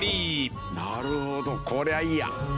なるほどこりゃあいいや！